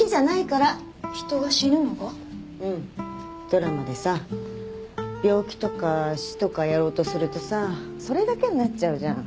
ドラマでさ病気とか死とかやろうとするとさそれだけになっちゃうじゃん。